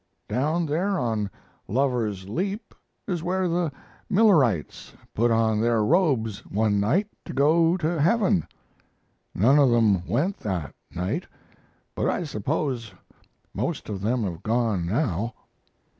Down there on Lover's Leap is where the Millerites put on their robes one night to go to heaven. None of them went that night, but I suppose most of them have gone now."